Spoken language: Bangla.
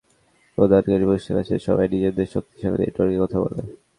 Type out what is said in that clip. যতগুলো মুঠোফোন সেবা প্রদানকারী প্রতিষ্ঠান আছে, সবাই নিজেদের শক্তিশালী নেটওয়ার্কের কথা বলে।